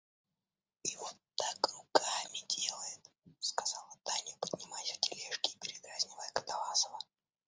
И вот так руками делает, — сказала Таня, поднимаясь в тележке и передразнивая Катавасова.